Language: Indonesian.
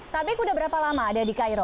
sabek udah berapa lama ada di cairo